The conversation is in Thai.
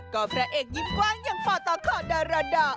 ก็พระเอกยิ้มกว้างอย่างปตขอดาราดอ